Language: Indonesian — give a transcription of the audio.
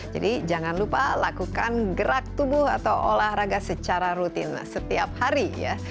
jadi jangan lupa lakukan gerak tubuh atau olahraga secara rutin setiap hari ya